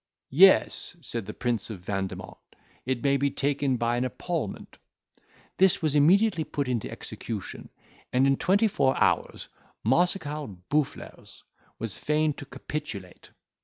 "Yes," said the Prince of Vandemont, "it may be taken by an epaulement." "This was immediately put into execution, and in twenty four hours Mareschal Boufflers was fain to capitulate."